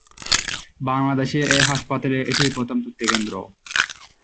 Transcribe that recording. বাংলাদেশে এ হাসপাতালের এটিই প্রথম তথ্যকেন্দ্র।